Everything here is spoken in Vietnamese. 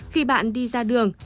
khi bạn đi ra đường